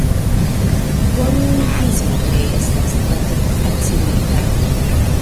Bonlingvismo ne estas traduk-faciliga.